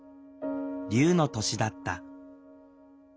竜の年だった。